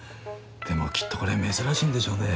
でもきっとこれ珍しいんでしょうね。